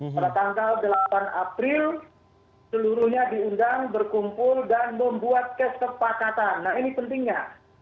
pada tanggal delapan april seluruhnya diundang berkumpul dan membuat kesepakatan nah ini pentingnya